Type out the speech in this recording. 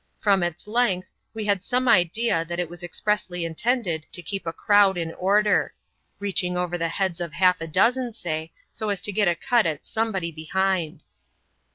From its length, we had some idea that it was expressly intended to keep a crowd in order — reaching over the heads of half a dozen, say, so as to get a cut at somebody behind.